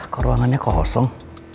kok ruangannya kok kosong